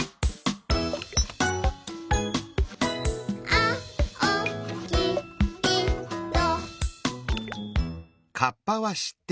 「あおきいろ」